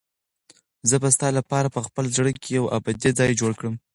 زه به ستا لپاره په خپل زړه کې یو ابدي ځای جوړ کړم.